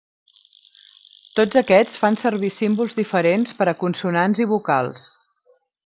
Tots aquests fan servir símbols diferents per a consonants i vocals.